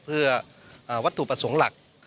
เพื่อวัตถุประสงค์หลัก